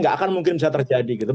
nggak akan mungkin bisa terjadi gitu